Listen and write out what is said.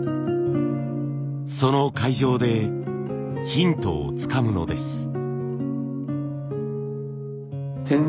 その会場でヒントをつかむのです。